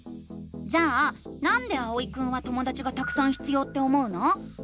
じゃあ「なんで」あおいくんはともだちがたくさん必要って思うの？